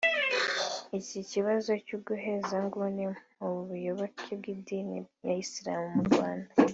Iki kibazo cy’uguhezanguni mu bayoboke b’idini ya Islam mu Rwanda